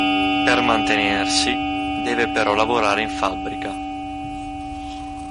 Per mantenersi, deve però lavorare in fabbrica.